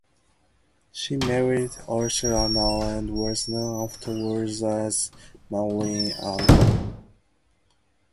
She married Arthur Arnold and was known afterwards as Maureen Arnold.